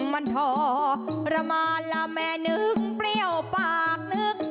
มันทรมานละแม่นึกเปรี้ยวปากนึก